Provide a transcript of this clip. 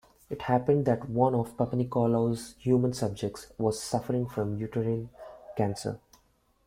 It happened that one of Papanicolaou's human subjects was suffering from uterine cancer.